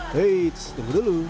heits tunggu dulu